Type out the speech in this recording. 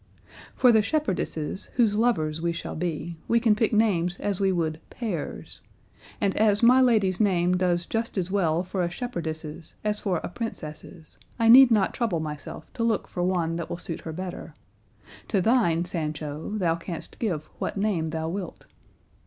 For the shepherdesses whose lovers we shall be, we can pick names as we would pears; and as my lady's name does just as well for a shepherdess's as for a princess's, I need not trouble myself to look for one that will suit her better; to thine, Sancho, thou canst give what name thou wilt."